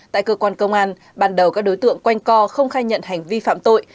tại cơ quan công an ban đầu các đối tượng quanh co không khai nhận hành vi phạm tội